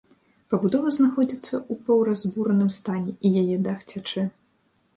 Пабудова знаходзіцца ў паўразбураным стане і яе дах цячэ.